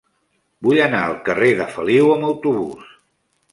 Vull anar al carrer de Feliu amb autobús.